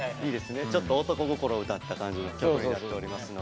ちょっと男心を歌った感じの曲になっておりますので。